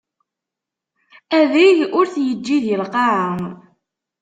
Adeg ur t-yeǧǧi di lqaɛa.